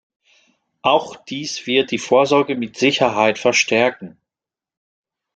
Auch dies wird die Vorsorge mit Sicherheit verstärken.